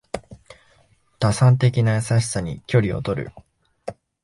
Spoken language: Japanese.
打算的な優しさに距離をとる